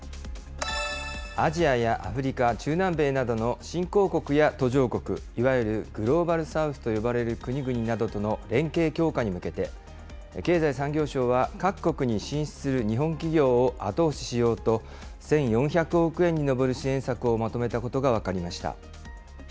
アジアやアフリカ、中南米などの新興国や途上国、いわゆるグローバル・サウスと呼ばれる国々などとの連携強化に向けて、経済産業省は各国に進出する日本企業を後押ししようと、１４００億円に上る支援策をまとめたことが分かりました。